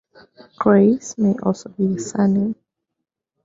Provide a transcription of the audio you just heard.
Kreis may also be a surname.